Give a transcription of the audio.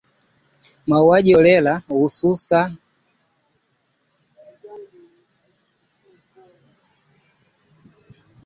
Mauaji holela, suala la kile kinachojulikana kama nyumba salama , aliongeza akisema kwamba ripoti hizo zinahitaji kuchunguzwa na wale wenye hatia wawajibishwe